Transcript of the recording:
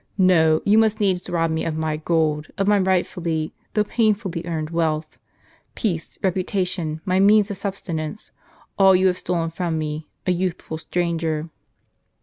No: you must needs rob me of my gold, of my rightfully, though painfully earned wealth ; peace, reputation, my means of subsistence, all yo\i have stolen from me, a youthful stranger."